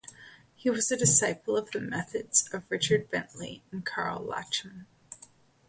He was a disciple of the methods of Richard Bentley and Karl Lachmann.